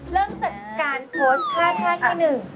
เริ่มจากการโพสต์ท่าท่าที่หนึ่ง